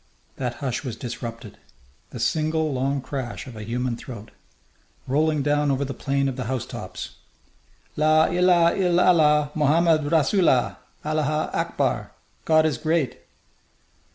That hush was disrupted. The single long crash of a human throat! Rolling down over the plain of the housetops! "La illah il Allah, Mohammed rassoul'lah! Allah Akbar! God is great!"